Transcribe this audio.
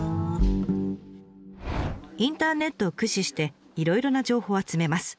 インターネットを駆使していろいろな情報を集めます。